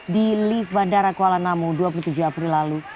di lift bandara kuala namu dua puluh tujuh april lalu